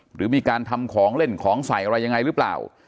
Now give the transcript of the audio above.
หรือมีการทำของเล่นของใส่อะไรยังไงหรือเปล่า